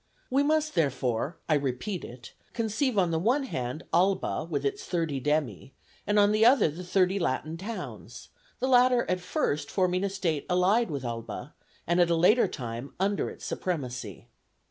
We must therefore, I repeat it, conceive on the one hand Alba with its thirty demi, and on the other the thirty Latin towns, the latter at first forming a state allied with Alba, and at a later time under its supremacy.